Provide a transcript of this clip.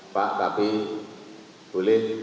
pak kapi bulit